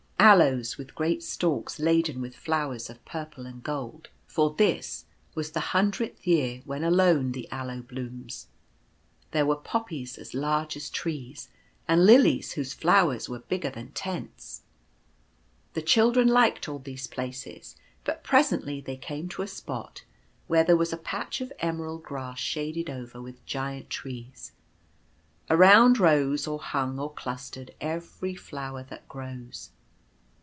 Aloes with great stalks laden with flowers of purple and gold — for this was the hundredth year when alone the Aloe blooms. There were Poppies as large as trees; and Lilies whose flowers were bigger than tents. The children liked all these places, but presently they come to a spot where there was a patch of emerald grass shaded over with giant trees. Around rose or hung or clustered every flower that grows.